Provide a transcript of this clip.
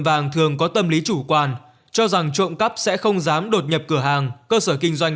vàng thường có tâm lý chủ quan cho rằng trộm cắp sẽ không dám đột nhập cửa hàng cơ sở kinh doanh